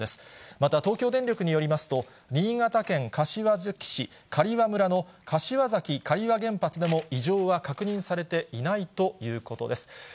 また、東京電力によりますと、新潟県柏崎市刈羽村の柏崎刈羽原発でも、異常は確認されていないということです。